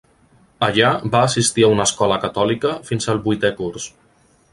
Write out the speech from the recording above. Allà va assistir a una escola catòlica fins al vuitè curs.